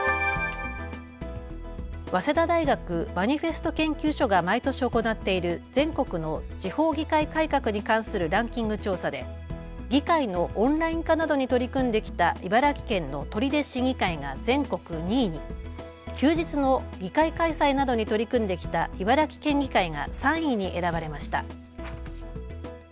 早稲田大学マニフェスト研究所が毎年行っている全国の地方議会改革に関するランキング調査で議会のオンライン化などに取り組んできた茨城県の取手市議会が全国２位に、休日の議会開催などに取り組んできた茨城県議会が３位に選ばれました。